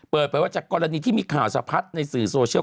ไปว่าจากกรณีที่มีข่าวสะพัดในสื่อโซเชียล